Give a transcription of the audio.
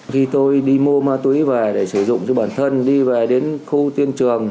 khi tôi đi mua ma túy về để sử dụng cho bản thân đi về đến khu tuyên trường